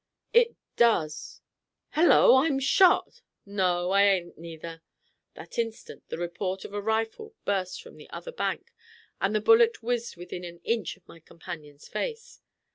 "It does hello! I'm shot no, I ain't, neither." That instant the report of a rifle burst from the other bank, and the bullet whizzed within an inch of my companion's face.